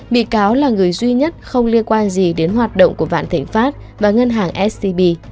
bị cáo là người duy nhất không liên quan gì đến hoạt động của vạn thịnh pháp và ngân hàng scb